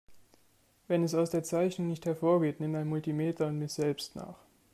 Wenn es aus der Zeichnung nicht hervorgeht, nimm ein Multimeter und miss selbst nach.